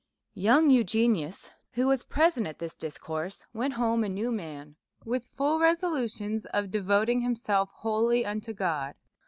Young Eugenius, who was present at this dis course, went home a new man, with full resolutions of devoting hmiself wholly unto God.